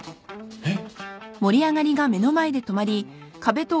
えっ！？